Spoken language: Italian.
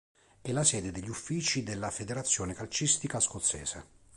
È la sede degli uffici della Federazione calcistica scozzese.